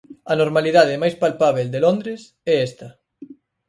A normalidade máis palpábel de Londres é esta.